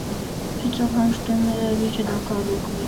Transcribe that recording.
هیڅوک هم شتون نه لري چې دا کار وکړي.